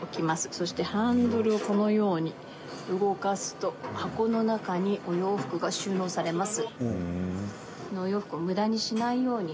そして、ハンドルをこのように動かすと箱の中にお洋服が収納されます。